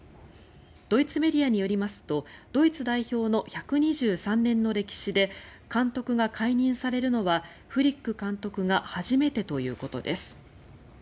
ドイツメディアによりますとドイツ代表の１２３年の歴史で監督が解任されるのはフリック監督が初めてということです。